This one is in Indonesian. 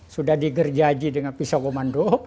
sudah digerjaji dengan pisau komando